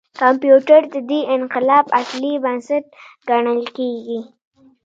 کمپیوټر د دې انقلاب اصلي بنسټ ګڼل کېږي.